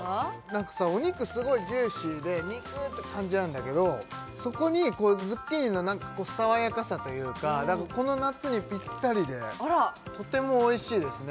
何かさお肉すごいジューシーで肉って感じなんだけどそこにズッキーニの爽やかさというかこの夏にぴったりでとてもおいしいですね